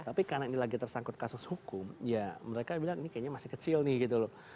tapi karena ini lagi tersangkut kasus hukum ya mereka bilang ini kayaknya masih kecil nih gitu loh